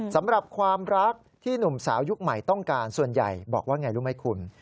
สำหรับความรักที่หนุ่มสาวยุคใหม่ต้องการส่วนใหญ่บอกว่าไงรู้ไหมคุณ